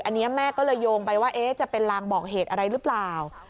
อันนี้แม่ก็เลยโยงไปว่าจะเป็นลางบอกเหตุอะไรหรือเปล่า